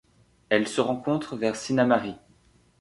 Elle se rencontre vers Sinnamary.